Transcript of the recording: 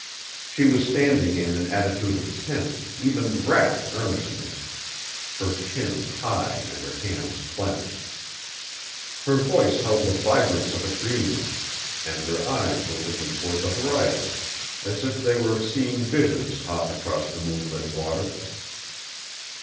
She was standing in an attitude of tense, even rapt earnestness, her chin high and her hands clenched. Her voice held the vibrance of a dreamer and her eyes were looking toward the horizon as if they were seeing visions off across the moonlit water.